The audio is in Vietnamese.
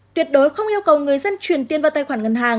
tuyệt đối không yêu cầu người dân chuyển tiền vào tài khoản ngân hàng